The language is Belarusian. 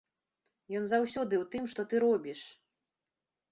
Ён заўсёды ў тым, што ты робіш!